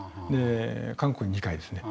韓国に２回ですね。